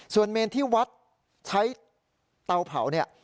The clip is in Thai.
ส่วนเมนที่วัดใช้เตาเผาเนี่ย